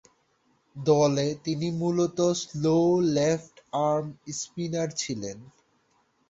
দলে তিনি মূলতঃ স্লো লেফট আর্ম স্পিনার ছিলেন।